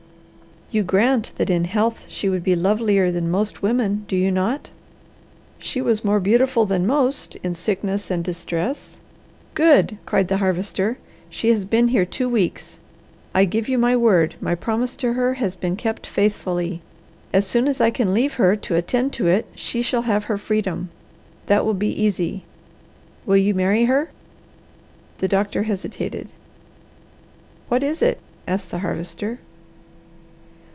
"You grant that in health she would be lovelier than most women, do you not?" "She was more beautiful than most in sickness and distress." "Good!" cried the Harvester. "She has been here two weeks. I give you my word, my promise to her has been kept faithfully. As soon as I can leave her to attend to it, she shall have her freedom. That will be easy. Will you marry her?" The doctor hesitated. "What is it?" asked the Harvester.